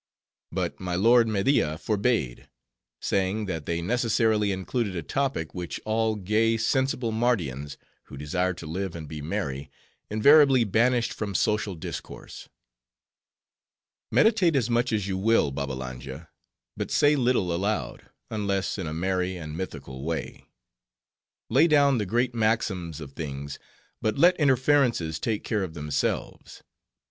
But my lord Media forbade; saying that they necessarily included a topic which all gay, sensible Mardians, who desired to live and be merry, invariably banished from social discourse. "Meditate as much as you will, Babbalanja, but say little aloud, unless in a merry and mythical way. Lay down the great maxims of things, but let inferences take care of themselves.